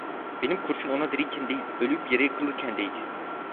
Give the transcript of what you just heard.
Benim kurşun ona diriyken değil, ölüp yere yıkılırken değdi.